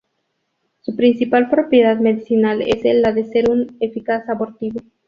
Su principal propiedad medicinal es la de ser un eficaz abortivo.